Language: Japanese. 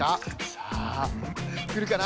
さあくるかな。